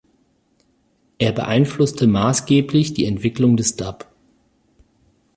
Er beeinflusste maßgeblich die Entwicklung des Dub.